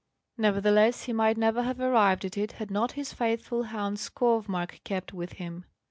Nevertheless he might never have arrived at it had not his faithful hound Skovmark kept with him.